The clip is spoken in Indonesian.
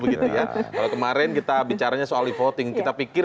kalau kemarin kita bicaranya soal di voting kita pikir